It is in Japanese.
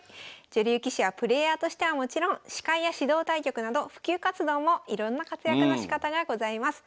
女流棋士はプレーヤーとしてはもちろん司会や指導対局など普及活動もいろんな活躍のしかたがございます。